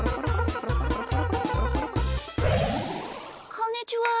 こんにちは。